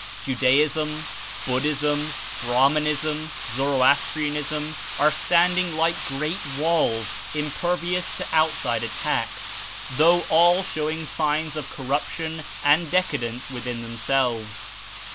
Judaism, Buddhism, Brahmanism, Zoroastrianism are standing like great walls, impervious to outside attacks, though all show ing signs of corruption and decadence within them selves.